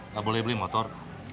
tak boleh beli motor